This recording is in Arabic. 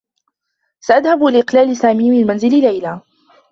سأذهب لإقلال سامي من منزل ليلى.